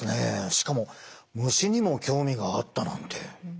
しかも虫にも興味があったなんて。